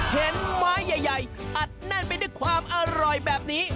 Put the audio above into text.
เห็นไม้ใหญ่อัดแน่นไปด้วยความอร่อยแบบนี้